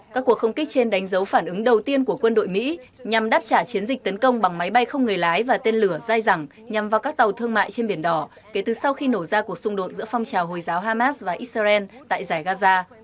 các cuộc không kích trên đánh dấu phản ứng đầu tiên của quân đội mỹ nhằm đáp trả chiến dịch tấn công bằng máy bay không người lái và tên lửa dai dẳng nhằm vào các tàu thương mại trên biển đỏ kể từ sau khi nổ ra cuộc xung đột giữa phong trào hồi giáo hamas và israel tại giải gaza